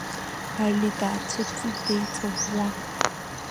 Али даацәырҵит деиҵаӷәӷәа.